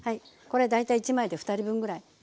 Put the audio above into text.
これ大体１枚で２人分ぐらい。